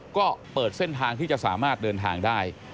ก็เปิดเส้นทางที่จะสามารถเดินทางได้